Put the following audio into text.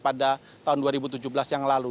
pada tahun dua ribu tujuh belas yang lalu